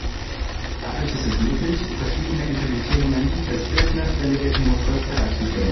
Dadurch ist es möglich verschiedene Implementierungen des Business-Delegate-Musters bereitzustellen.